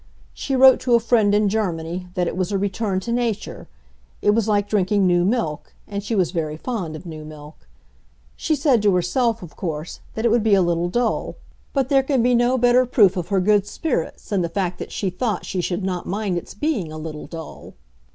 She wrote to a friend in Germany that it was a return to nature; it was like drinking new milk, and she was very fond of new milk. She said to herself, of course, that it would be a little dull; but there can be no better proof of her good spirits than the fact that she thought she should not mind its being a little dull.